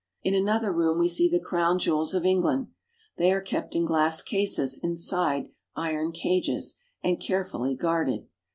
In another room we see the crown jewels of England. They are kept in glass cases inside iron cages and carefully guarded.